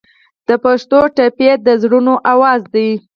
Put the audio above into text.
د پښتو ټپې د زړونو اواز دی.